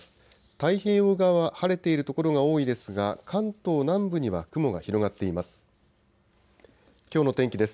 太平洋側は晴れている所が多いですが関東南部には雲が広がっています。